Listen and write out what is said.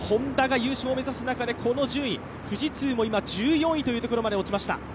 Ｈｏｎｄａが優勝を目指す中でこの順位富士通も１４位まで落ちました。